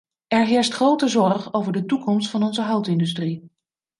Er heerst grote zorg over de toekomst van onze houtindustrie.